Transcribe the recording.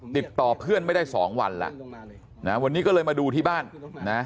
ติดต่อเพื่อนไม่ได้สองวันแล้วนะวันนี้ก็เลยมาดูที่บ้านนะ